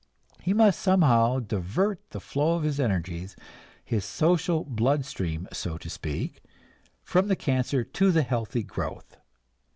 He must somehow divert the flow of his energies, his social blood stream, so to speak, from the cancer to the healthy growth.